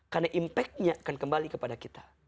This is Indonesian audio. karena impact nya akan kembali kepada kita